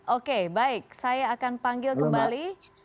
oke baik saya akan panggil kembali